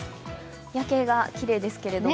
夜景がきれいですけれども。